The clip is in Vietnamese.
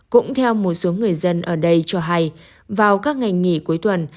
cũng theo một số người dân ở đây cho hay vào các ngày nghỉ cuối tuần